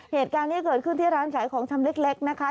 เหตุการณ์นี้เกิดขึ้นที่ร้านขายของชำเล็กนะคะ